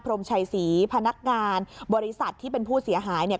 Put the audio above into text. รมชัยศรีพนักงานบริษัทที่เป็นผู้เสียหายเนี่ย